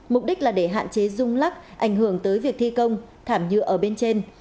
mục đích là để hạn chế rung lắc ảnh hưởng tới việc thi công thảm nhựa ở bên trên